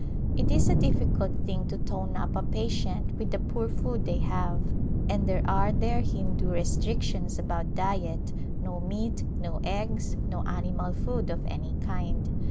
It is a difficult thing to tone up a patient with the poor food they have, and there are their Hindu restrictions about diet, no meat, no eggs, no animal food of any kind.